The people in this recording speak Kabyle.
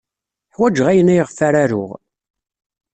Ḥwajeɣ ayen ayɣef ara aruɣ.